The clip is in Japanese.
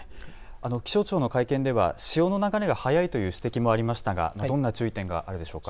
気象庁の会見では潮の流れが速いという指摘もありましたがどんな注意点があるでしょうか。